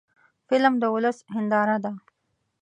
فلم د ولس هنداره ده